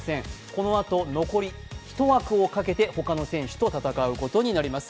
このあと残り１枠をかけて他の選手と戦うことになります。